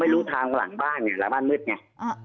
ไม่รู้ทางแล้วหลังบ้านหลังบ้านมืดไง